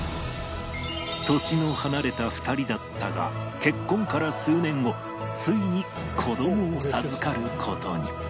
年の離れた２人だったが結婚から数年後ついに子どもを授かる事に